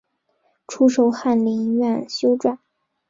初授翰林院修撰。